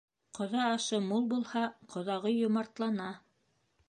Ҡоҙа ашы мул булһа, ҡоҙағый йомартлана.